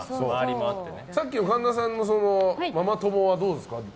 さっきの神田さんのママ友はどうですか？